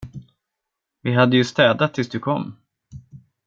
Vi hade ju städat tills du kom.